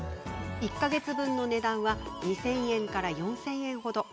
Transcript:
１か月分の値段は２０００円から４０００円程。